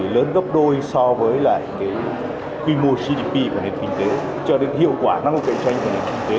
lớn gấp đôi so với lại quy mô gdp của nền kinh tế cho đến hiệu quả năng lực cạnh tranh của nền kinh tế